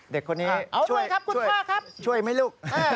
เด็กคนนี้ช่วยไม่ลุก